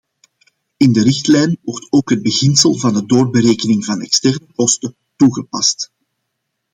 In de richtlijn wordt ook het beginsel van de doorberekening van externe kosten toegepast.